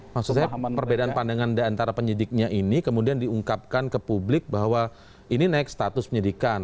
maksud saya perbedaan pandangan antara penyidiknya ini kemudian diungkapkan ke publik bahwa ini naik status penyidikan